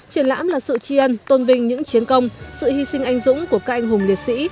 triển lãm là sự tri ân tôn vinh những chiến công sự hy sinh anh dũng của các anh hùng liệt sĩ